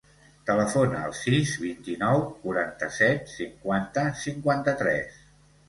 Telefona al sis, vint-i-nou, quaranta-set, cinquanta, cinquanta-tres.